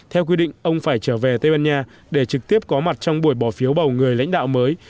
theo quy định ông phải trở về tây ban nha để trực tiếp có mặt trong buổi bỏ phiếu bầu người lãnh đạo mới